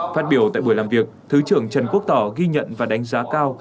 phát biểu tại buổi làm việc thứ trưởng trần quốc tỏ ghi nhận và đánh giá cao